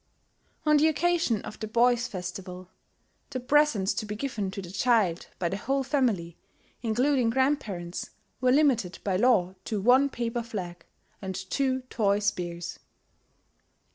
On the occasion of the Boy's Festival, the presents to be given to the child by the whole family, including grandparents, were limited by law to "one paper flag," and "two toy spears."